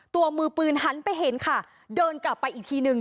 มือปืนหันไปเห็นค่ะเดินกลับไปอีกทีนึง